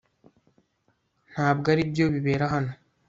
ntabwo aribyo bibera hano